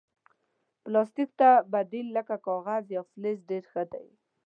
پلاستيک ته بدیل لکه کاغذ یا فلز ډېر ښه دی.